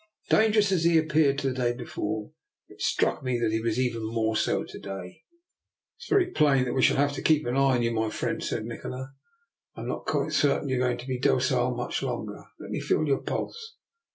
Dangerous as he had appeared the day before, it struck me that he was even more so to day. " It is very plain that we shall have to keep an eye on you, my friend," said Nikola. " I am not quite certain that you are going to be docile much longer. Let me feel your pulse."